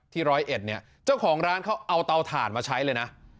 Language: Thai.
ร้อยเอ็ดเนี่ยเจ้าของร้านเขาเอาเตาถ่านมาใช้เลยนะ